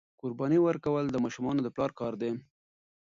قرباني ورکول د ماشومانو د پلار کار دی.